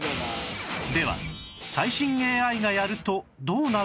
では最新 ＡＩ がやるとどうなるのか？